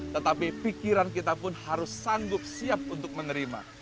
tetapi pikiran kita pun harus sanggup siap untuk menerima